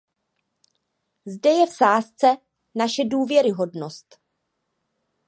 Zde je v sázce naše důvěryhodnost.